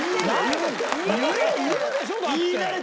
言うでしょ。